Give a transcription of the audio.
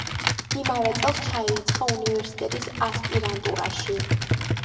იმავე წელს ჩაირიცხა უნივერსიტეტის ასპირანტურაში.